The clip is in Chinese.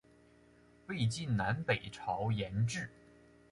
魏晋南北朝沿置。